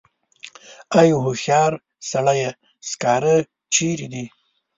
ای هوښیار سړیه سکاره چېرې دي.